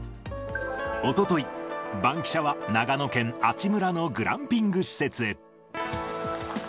おととい、バンキシャ！は長野県阿智村のグランピング施設へ。